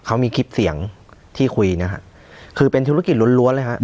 เค้ามีคลิปเสียงที่คุยนะครับคือเป็นธุรกิจล้นเลยครับ